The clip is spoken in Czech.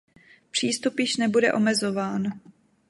Přístup již nebude omezován.